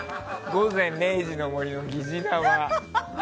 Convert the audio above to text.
「午前０時の森」の疑似生。